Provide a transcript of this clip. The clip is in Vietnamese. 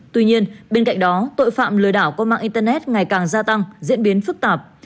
tuy nhiên bên cạnh đó tội phạm lừa đảo qua mạng internet ngày càng gia tăng diễn biến phức tạp